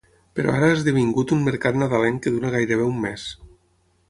Però ara ha esdevingut un mercat nadalenc que dura gairebé un mes.